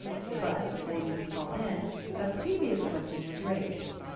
But, before he was called in, a previous question was raised.